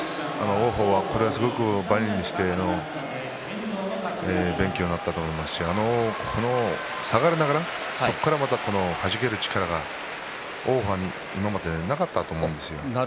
王鵬は、すごくばねにして勉強になったと思いますし下がりながら、そこからまたはじける力が王鵬に今までなかったと思うんですよね。